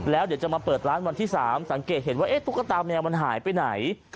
แล้วเดี๋ยวจะมาเปิดร้านวันที่๓สังเกตเห็นว่าตุ๊กตาแมวมันหายไปไหน